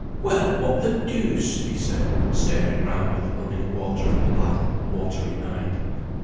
"Well, what the deuce!" he said, staring round at the running water in the black, watery night.